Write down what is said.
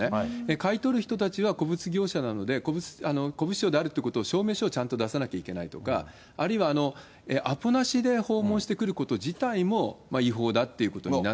買い取る人たちは古物業者なので、古物商であるってことを、証明書をちゃんと出さなきゃいけないとか、あるいは、アポなしで訪問してくること自体も違法だってことになって。